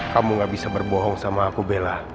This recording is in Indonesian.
kamu gak bisa berbohong sama aku bella